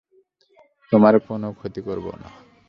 তোমার কোনো ক্ষতি করবো না।